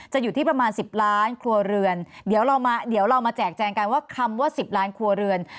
จะอยู่ที่ประมาณ๑๐ล้านครัวเรือนเดี๋ยวเรามาแจกแจงกันว่าคำว่า๑๐ล้านครัวเรือน